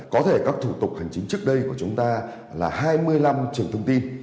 có thể các thủ tục hành chính trước đây của chúng ta là hai mươi năm trường thông tin